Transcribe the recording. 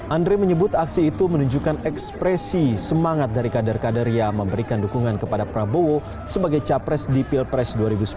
andre menyebut aksi itu menunjukkan ekspresi semangat dari kader kader yang memberikan dukungan kepada prabowo sebagai capres di pilpres dua ribu sembilan belas